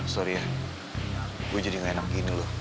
sorry ya gue jadi gak enak gitu